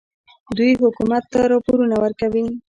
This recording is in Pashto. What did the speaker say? دوی حکومت ته راپورونه ورکوي.